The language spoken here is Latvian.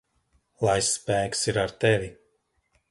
Lai spēks ir ar tevi!